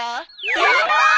やった！